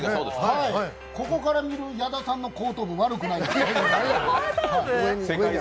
ここから見る矢田さんの後頭部、悪くないです。